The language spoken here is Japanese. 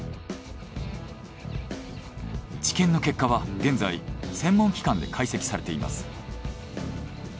治験の結果は現在専門機関で解析されています。